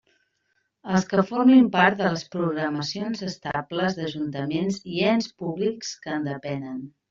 Els que formin part de les programacions estables d'ajuntaments i ens públics que en depenen.